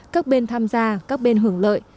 các bên tham gia các bên hưởng lợi